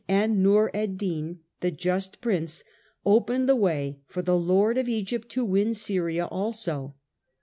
and of Nur ed din, "the just din^'ii74 prince," opened the way for the lord of Egypt to win Syria also.